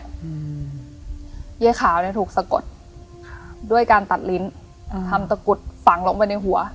ยายขาวเนี้ยถูกสะกดครับด้วยการตัดลิ้นอืมทำตะกุดฝังลงไปในหัว